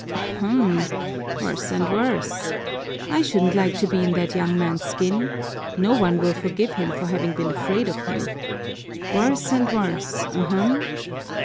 Ahem! Worse and worse! I shouldn't like to be in that young man's skin. No one will forgive him for having been afraid of him. Worse and worse, ahem!"